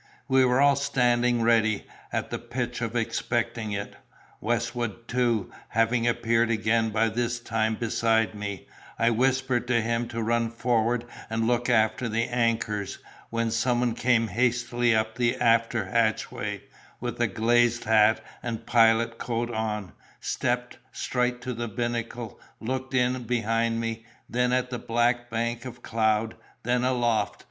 "We were all standing ready, at the pitch of expecting it. Westwood, too, having appeared again by this time beside me, I whispered to him to run forward and look after the anchors, when someone came hastily up the after hatchway, with a glazed hat and pilot coat on, stepped straight to the binnacle, looked in behind me, then at the black bank of cloud, then aloft.